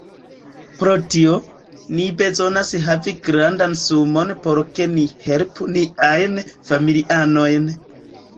Pro tio, ni bezonas havi grandan sumon por ke ni helpu niajn familianojn